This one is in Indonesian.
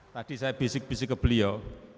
tadi saya bisik bisik ke beliau